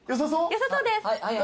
よさそうです。